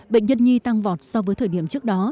bệnh nhân nhi tăng vọt so với thời điểm trước đó